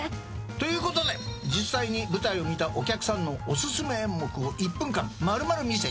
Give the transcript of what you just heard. ということで実際に舞台を見たお客さんのお薦め演目を１分間丸々見せちゃう。